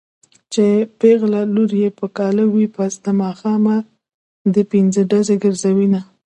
چې پېغله لور يې په کاله وي پس د ماښامه دې پنځډزی ګرځوينه